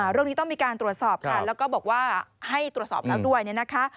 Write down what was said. เรื่องนี้ต้องมีการตรวจสอบค่ะแล้วก็บอกว่าให้ตรวจสอบแล้วด้วยเนี่ยนะคะ